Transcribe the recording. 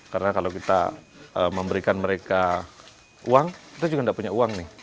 karena kalau kita memberikan mereka uang kita juga tidak punya uang nih